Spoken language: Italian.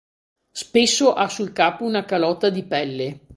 Spesso ha sul capo una calotta di pelle.